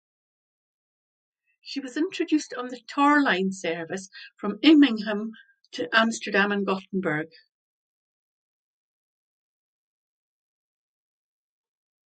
She was introduced on the Tor Line service from Immingham to Amsterdam and Gothenburg.